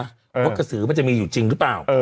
ว่ากระสือมันจะมีอยู่จริงหรือเปล่า